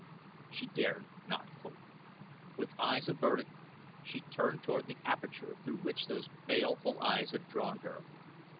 She dared not hope. With eyes averted she turned toward the aperture through which those baleful eyes had drawn her.